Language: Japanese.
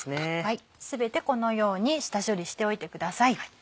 全てこのように下処理しておいてください。